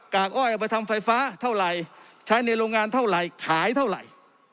กอ้อยเอาไปทำไฟฟ้าเท่าไหร่ใช้ในโรงงานเท่าไหร่ขายเท่าไหร่